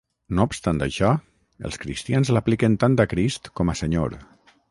No obstant això, els cristians l'apliquen tant a Crist com a Senyor.